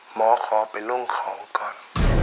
หมอขอไปลงของก่อน